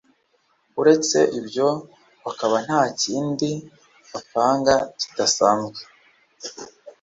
uretse ibyo bakaba nta kindi bapanga kidasanzwe